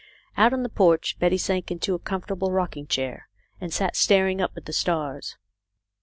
Out on the porch Betty sank into a comfortable rocking chair, and sat looking up at the stars.